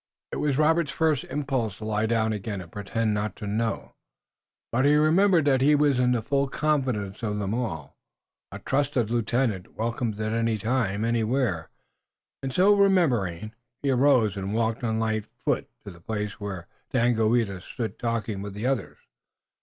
It was Robert's first impulse to lie down again and pretend not to know, but he remembered that he was in the full confidence of them all, a trusted lieutenant, welcomed at any time, anywhere, and so remembering, he arose and walked on light foot to the place where Daganoweda stood talking with the others.